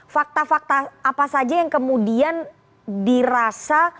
fakta fakta apa saja yang kemudian dirasa